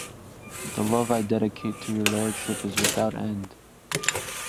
The love I dedicate to your lordship is without end